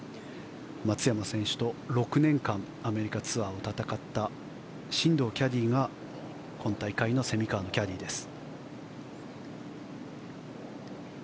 松山選手と６年間アメリカツアーを戦った進藤キャディーが今大会の蝉川のキャディーです。